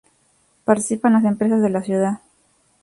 Participan las empresas de la ciudad.